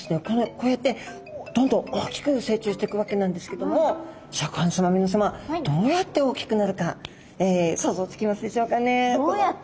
こうやってどんどん大きく成長していくわけなんですけどもシャーク香音さま皆さまどうやって大きくなるか想像つきますでしょうかね。